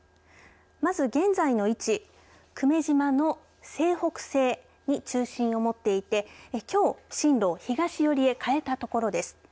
まず現在の位置が久米島の西北西に中心を持っていてきょう進路を東寄りへ変えたところです。